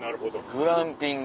グランピング。